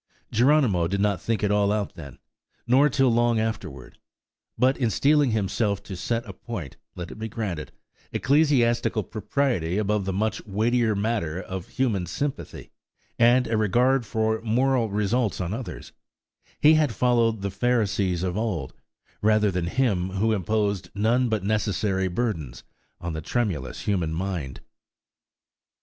Geronimo did not think it all out then, nor till long afterwards, but in steeling himself to set a point of–let it be granted–ecclesiatical propriety above the much weightier matter of human sympathy, and a regard for moral results on others, he had followed the Pharisees of old, rather than Him who imposed none but necessary burdens on the tremulous human mind.